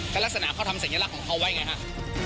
ก็ลักษณะเขาทำเสนอลักษณ์ของเขาไว้ไงครับ